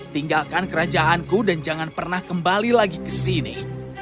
tinggalkan kerajaanku dan jangan pernah kembali lagi ke sini